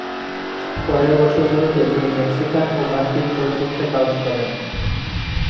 পরের বছরগুলোতে তিনি মেক্সিকান ও মার্কিন চলচ্চিত্রে কাজ করেন।